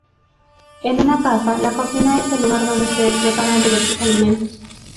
En una casa, la cocina es el lugar donde se preparan diversos alimentos.